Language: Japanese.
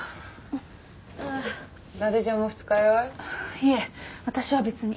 いえ私は別に。